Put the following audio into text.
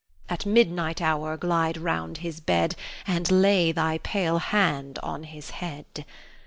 At midnight hour glide round his bed, And lay thy pale hand on his head.